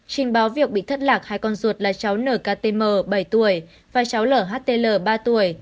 trình báo việc bị thất lạc hai con ruột là cháu nktm bảy tuổi và cháu lhtl ba tuổi